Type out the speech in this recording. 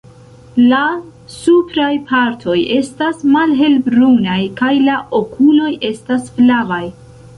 La supraj partoj estas malhelbrunaj, kaj la okuloj estas flavaj.